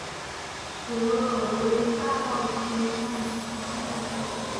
洛克威大道车站列车服务。